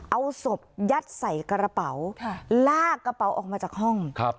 เอาศพยัดใส่กระเป๋าลากกระเป๋าออกมาจากห้องครับ